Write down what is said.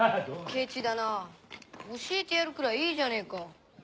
ケチだな教えてやるくらいいいじゃねえか。